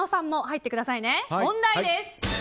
問題です。